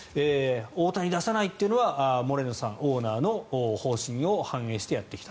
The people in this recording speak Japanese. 大谷を出さないというのはモレノオーナーの方針を反映してやってきた。